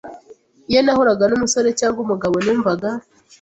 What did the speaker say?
iyo nahuraga n’umusore cyangwa umugabo numvaga